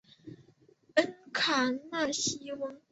恩卡纳西翁。